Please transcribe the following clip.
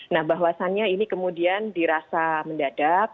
nah bahwasannya ini kemudian dirasa mendadak